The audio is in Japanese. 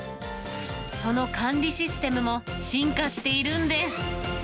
その管理システムも進化しているんです。